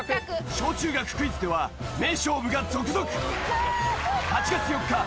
小中学クイズでは名勝負が続々！